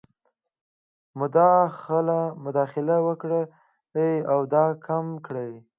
مداخله وکړي او دا کم کړي.